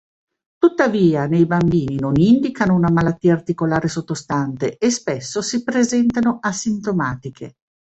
Tuttavia, nei bambini non indicano una malattia articolare sottostante e spesso si presentano asintomatiche.